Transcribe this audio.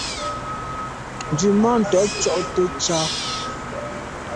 Nzwimàntô tsho’te ntsha.